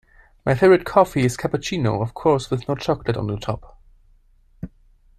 My favourite coffee is cappuccino, of course with no chocolate on the top